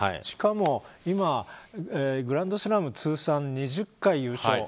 しかも今グランドスラム通算２０回優勝